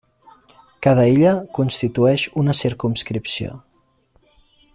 Cada illa constitueix una circumscripció.